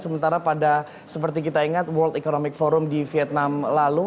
sementara pada seperti kita ingat world economic forum di vietnam lalu